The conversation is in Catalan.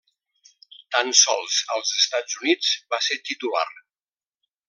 Tan sols als Estats Units va ser titular.